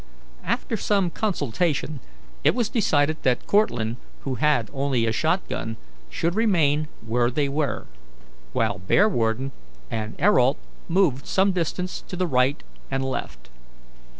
After some consultation it was decided that Cortlandt, who had only a shot gun, should remain where they were, while Bearwarden and Ayrault moved some distance to the right and left.